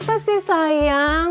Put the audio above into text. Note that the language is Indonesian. nanti deh kami kirain